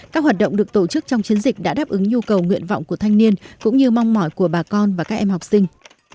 các hoạt động được tổ chức trong chiến dịch đã đáp ứng nhu cầu nguyện vọng của thanh niên cũng như mong mỏi của bà con và các em học sinh